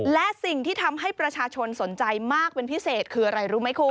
และสิ่งที่ทำให้ประชาชนสนใจมากเป็นพิเศษคืออะไรรู้ไหมคุณ